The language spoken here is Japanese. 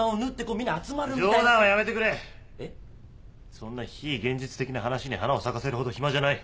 そんな非現実的な話に花を咲かせるほど暇じゃない。